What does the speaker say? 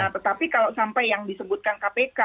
tetapi kalau sampai yang disebutkan kpk